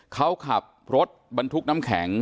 เขาขับรถบรรทุกน้ำแข็ง